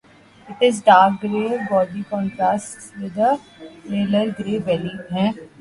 Its dark gray body contrasts with a paler gray belly.